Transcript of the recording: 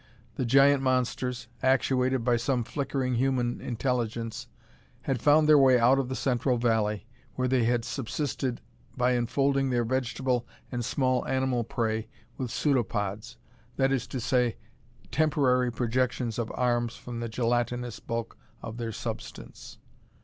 The giant monsters, actuated by some flickering human intelligence, had found their way out of the central valley, where they had subsisted by enfolding their vegetable and small animal prey with pseudopods, that it to say, temporary projections of arms from the gelatinous bulk of their substance.